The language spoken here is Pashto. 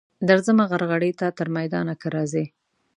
درځمه غرغړې ته تر میدانه که راځې.